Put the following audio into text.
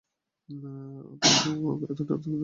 ওকে এতোটা আতংকিত অবস্থায় আগে দেখিনি!